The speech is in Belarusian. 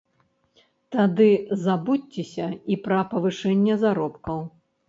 Тады забудзьцеся і пра павышэнне заробкаў.